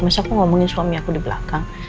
misalnya aku ngomongin suami aku di belakang